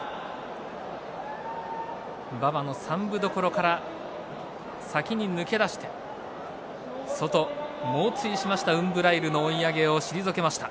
馬場から先に抜け出して外、猛追しましたウンブライルの追い上げを退けました。